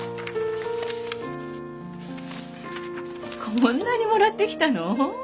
こんなにもらってきたの？